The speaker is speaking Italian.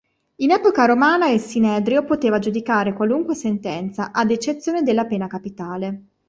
In epoca romana il Sinedrio poteva giudicare qualunque sentenza ad eccezione della pena capitale.